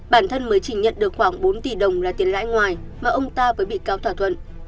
bản thân mới chỉ nhận được khoảng bốn tỷ đồng là tiền lãi ngoài mà ông ta với bị cáo thỏa thuận